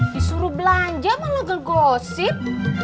disuruh belanja sama logo gosip